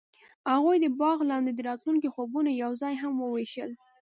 هغوی د باغ لاندې د راتلونکي خوبونه یوځای هم وویشل.